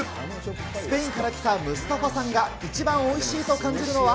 スペインから来たムスタファさんが、一番おいしいと感じるのは？